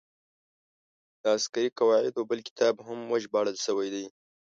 د عسکري قواعدو بل کتاب هم ژباړل شوی دی.